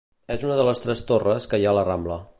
És una de les tres torres que hi ha a la Rambla.